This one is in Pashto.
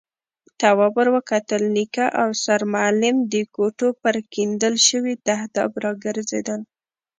تواب ور وکتل، نيکه او سرمعلم د کوټو پر کېندل شوي تهداب راګرځېدل.